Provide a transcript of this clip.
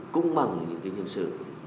cũng bằng những cái nhiên sự